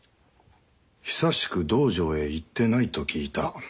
久しく道場へ行ってないと聞いた。